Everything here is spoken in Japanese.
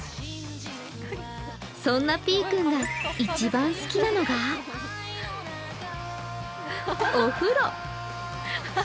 そんなぴぃくんが一番好きなのがお風呂。